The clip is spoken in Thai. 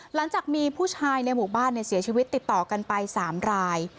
หลังจากมีผู้ชายในหมู่บ้านเสียชีวิตติดต่อกันไป๓ราย